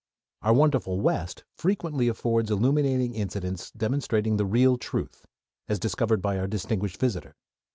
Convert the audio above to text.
Our wonderful West frequently affords illuminating incidents demonstrating the real truth, as discovered by our distinguished visitor.